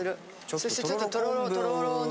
そしてちょっととろろをね。